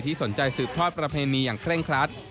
สนใจสืบทอดประเพณีอย่างเร่งครัด